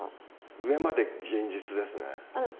上行くまで現実ですね。